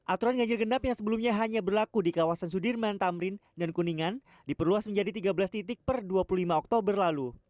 aturan ganjil genap yang sebelumnya hanya berlaku di kawasan sudirman tamrin dan kuningan diperluas menjadi tiga belas titik per dua puluh lima oktober lalu